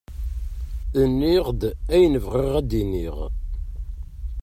Nniɣ-d ayen i bɣiɣ ad d-iniɣ.